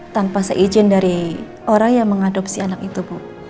tanpa seizin dari orang yang mengadopsi anak itu bu